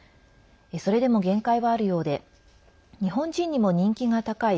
それでも限界はあるようで日本人にも人気が高い